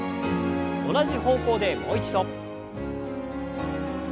同じ方向でもう一度。